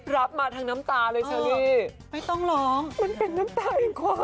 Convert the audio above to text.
รับมาทั้งน้ำตาเลย